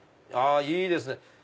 いいですね！